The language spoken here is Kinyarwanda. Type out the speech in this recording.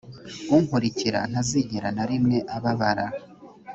unkurikira ntazigera na rimwe ababara.